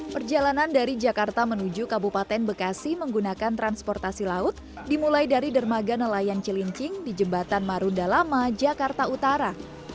perjalanan dari jakarta menuju kabupaten bekasi menggunakan transportasi laut dimulai dari dermaga nelayan cilincing di jembatan marunda lama jakarta utara